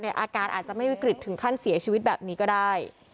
อาการอาจจะไม่วิกฤตถึงขั้นเสียชีวิตแบบนี้ก็ได้